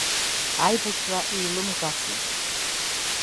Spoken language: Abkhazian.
Аибашьра еилымгацызт.